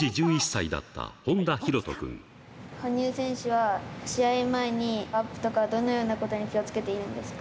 羽生選手は、試合前にアップとか、どのようなことに気をつけているんですか？